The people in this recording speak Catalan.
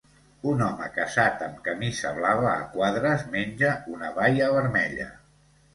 Un home casat amb camisa blava a quadres menja una baia vermella.